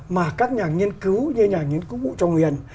mà các nhà nghiên cứu như nhà nghiên cứu vũ trọng huyền